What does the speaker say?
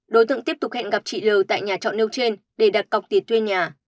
đối tượng tiếp tục hẹn gặp chị l tại nhà trọ nêu trên để đặt cọc tiền thuê nhà